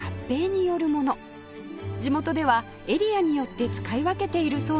地元ではエリアによって使い分けているそうです